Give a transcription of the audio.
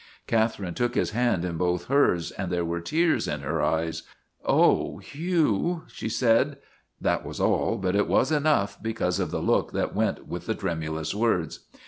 Catherine took his hand in both hers, and there were tears in her eyes. " Oh, Hugh," she said. That was all, but it was enough because of the look that went with the trem ulous words.